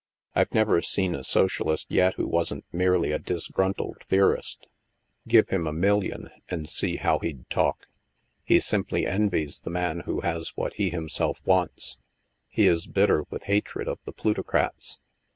I've never seen a socialist yet who wasn't merely a disgruntled theorist. Give him a million, and see 74 THE MASK how he'd talk. He simply envies the man who has what he himself wants. He is bitter with hatred of the plutocrats.